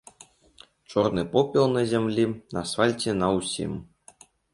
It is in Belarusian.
Чорны попел на зямлі, на асфальце, на ўсім.